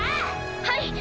はい！